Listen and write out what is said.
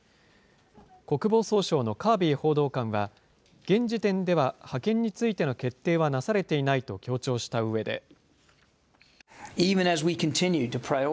国防総省のカービー報道官は現時点では、派遣についての決定はなされていないと強調したうえで。